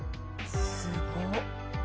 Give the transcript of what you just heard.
「すごっ」